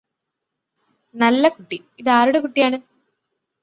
നല്ല കുട്ടി ഇതാരുടെ കുട്ടിയാണ്